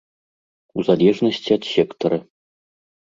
У залежнасці ад сектара.